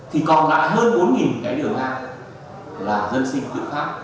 thì còn lại hơn bốn cái đường ngang là dân sinh tự phát